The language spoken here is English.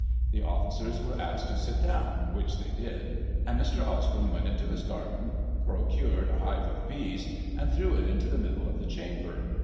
The officers were asked to sit down, which they did, cind Mr. Osborne went into his garden, procured a hive of bees, and threw it into the middle of the chamber.